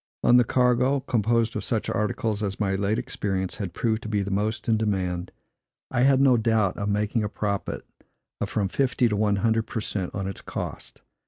On the cargo, composed of such articles as my late experience had proved to be most in demand, I had no doubt of making a profit of from fifty to one hundred per cent on its cost.